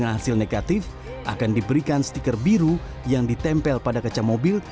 hasil negatif akan diberikan stiker biru yang ditempel pada kaca mobil